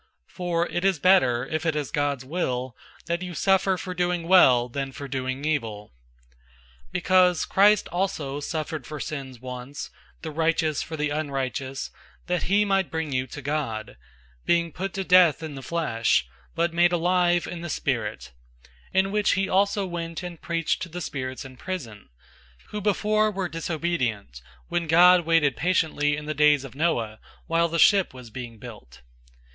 003:017 For it is better, if it is God's will, that you suffer for doing well than for doing evil. 003:018 Because Christ also suffered for sins once, the righteous for the unrighteous, that he might bring you to God; being put to death in the flesh, but made alive in the spirit; 003:019 in which he also went and preached to the spirits in prison, 003:020 who before were disobedient, when God waited patiently in the days of Noah, while the ark was being built.